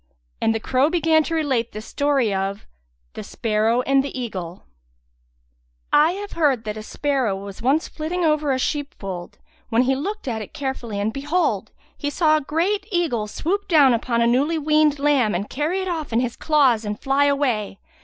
And the crow began to relate the story of The Sparrow and the Eagle I have heard that a sparrow was once flitting over a sheep fold, when he looked at it carefully and behold, he saw a great eagle swoop down upon a newly weaned lamb and carry it off in his claws and fly away.